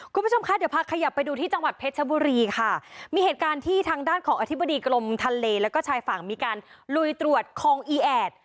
คุณผู้ชมคะเดี๋ยวพาขยับไปดูที่จังหวัดเพชรชบุรีค่ะมีเหตุการณ์ที่ทางด้านของอธิบดีกรมทะเลแล้วก็ชายฝั่งมีการลุยตรวจคองอีแอด